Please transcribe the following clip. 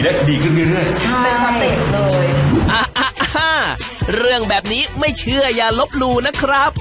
อ่าอ่าอ่าเรื่องแบบนี้ไม่เชื่ออย่าลบลูนะครับ